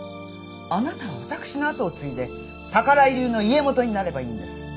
あなたは私のあとを継いで宝居流の家元になればいいんです。